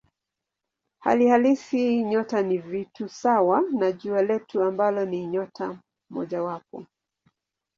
Hali halisi nyota ni vitu sawa na Jua letu ambalo ni nyota mojawapo.